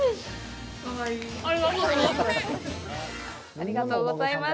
ありがとうございます。